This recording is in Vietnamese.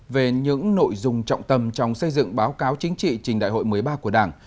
về những nội dung trọng tâm trong xây dựng báo cáo chính trị trình đại hội một mươi ba của đảng